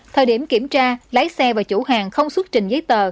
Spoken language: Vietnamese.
thời điểm kiểm tra lái xe và chủ hàng không xuất trình giấy tờ